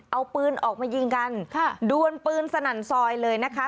เอาปืนออกมายิงกันค่ะดวนปืนสนั่นซอยเลยนะคะ